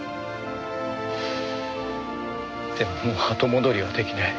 でももう後戻りは出来ない。